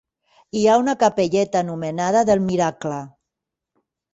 Hi ha una capelleta anomenada del Miracle.